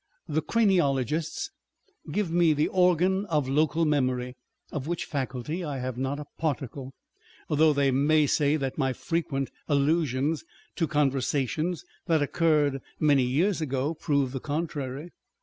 The craniologists give me the organ of local memory, of which faculty I have not a particle, though they may say that my frequent allusions to conversations that occurred many years ago prove the contrary.